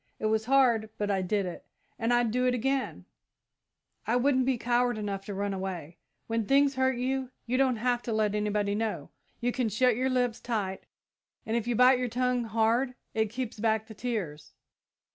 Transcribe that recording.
It was hard, but I did it, and I'd do it again I wouldn't be coward enough to run away. When things hurt you, you don't have to let anybody know. You can shut your lips tight, and if you bite your tongue hard it keeps back the tears.